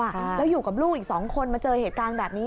แล้วอยู่กับลูกอีกสองคนมาเจอเหตุการณ์แบบนี้